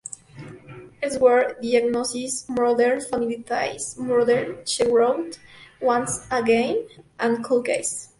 Elsewhere", "Diagnosis Murder", "Family Ties", "Murder, She Wrote", "Once and Again" y "Cold Case".